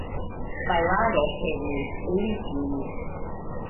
Fjalaro henis, li timis.